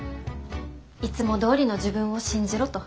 いつもどおりの自分を信じろと。